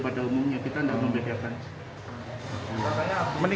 praseogan yang membeli